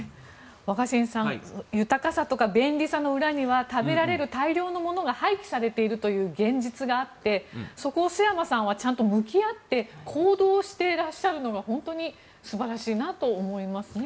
若新さん、豊かさとか便利さの裏には食べられる大量のものが廃棄されているという現実があってそこを陶山さんは向き合って行動していらっしゃるのが本当に素晴らしいなと思います。